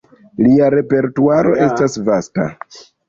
Lia repertuaro estas vasta.